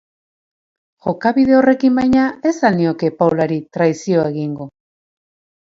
Jokabide horrekin, baina, ez al nioke Paulari traizio egingo?.